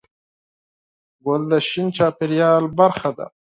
ګل د شین چاپېریال برخه ده.